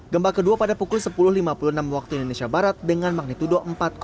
gempa kedua pada pukul sepuluh lima puluh enam waktu indonesia barat dengan magnitudo empat